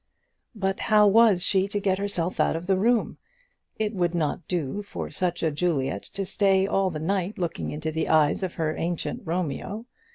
But how was she to get herself out of the room? It would not do for such a Juliet to stay all the night looking into the eyes of her ancient Romeo.